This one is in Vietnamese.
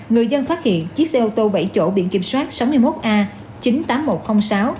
người dân phát hiện chiếc xe ô tô bảy chỗ biển kiểm soát sáu mươi một a chín mươi tám nghìn một trăm linh sáu